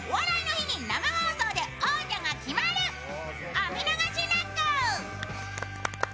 お見逃しなく！